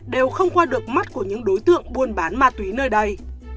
đều không qua được mắt của những đối tượng buôn bán ma túy nơi đây